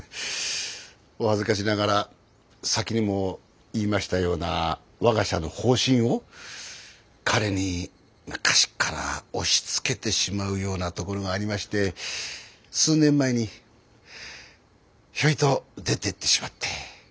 お恥ずかしながら先にも言いましたような我が社の方針を彼に昔から押しつけてしまうようなところがありまして数年前にひょいと出てってしまって。